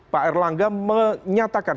pak erlangga menyatakan